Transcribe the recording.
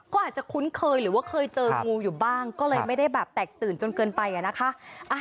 ก็อาจจะคุ้นเคยหรือว่าเคยเจองูอยู่บ้างก็เลยไม่ได้แบบแตกตื่นจนเกินไปอะนะคะ